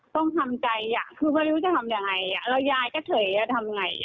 ต้องทำใจอ่ะคือปะริกก็จะทำอย่างไรแล้วยายก็เผยอย่างไรครับ